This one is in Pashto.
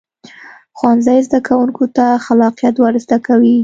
ښوونځی زده کوونکو ته خلاقیت ورزده کوي